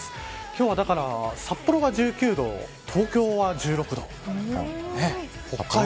今日は札幌が１９度東京は１６度。